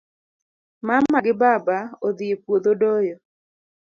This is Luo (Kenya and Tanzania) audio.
Mama gi baba odhii e puodho doyo